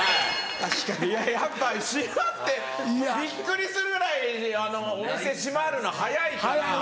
やっぱ島ってもうびっくりするぐらいお店閉まるの早いから。